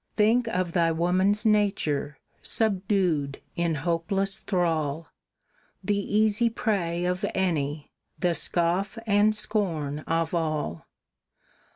Think of thy woman's nature, subdued in hopeless thrall, The easy prey of any, the scoff and scorn of all!"